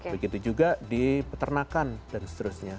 begitu juga di peternakan dan seterusnya